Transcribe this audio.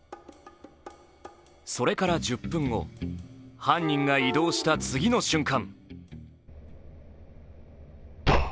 それから１０分後、犯人が移動した次の瞬間。